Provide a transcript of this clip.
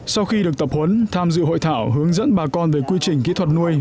sau khi được tập huấn tham dự hội thảo hướng dẫn bà con về quy trình kỹ thuật nuôi